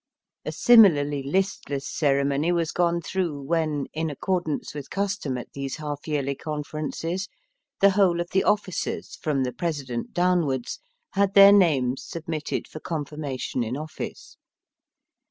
A similarly listless cere mony was gone through when, in accordance with custom at these half yearly conferences, the whole of the officers, from the President downwards, had their names submitted for confirmation in office.